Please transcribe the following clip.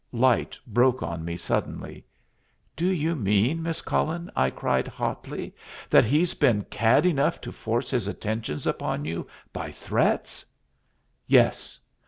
Light broke on me suddenly. "Do you mean, Miss Cullen," I cried hotly, "that he's been cad enough to force his attentions upon you by threats?" "Yes.